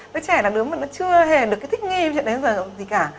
đứa trẻ là đứa mà nó chưa hề được cái thích nghi gì đến giờ gì cả